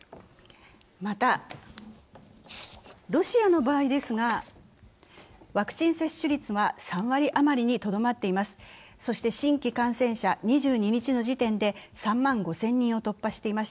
また、ロシアの場合ですがワクチン接種率は３割余りにとどまっています。